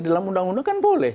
dalam undang undang kan boleh